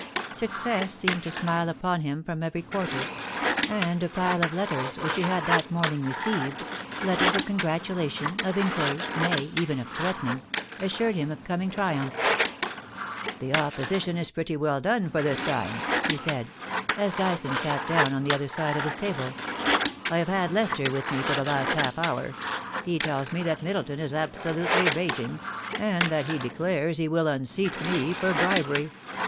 Success seemed to smile upon him from every quarter ; and a pile of letters which he had that morning received — ^letters of congratula tion, of inquiry, nay, even of threatening — assured him of coming triumph. * The Opposition is pretty well done for this time,* he said, as Dyson sat down on the other side of his table. * I have had Lester with me for the last half hour. He tells me that Middleton is absolutely raging, and that he declares he will unseat me for bribery.